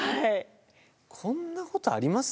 こんなことあります？